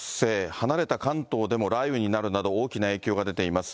離れた関東でも雷雨になるなど、大きな影響が出ています。